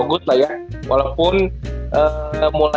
gak ada yang kayak gila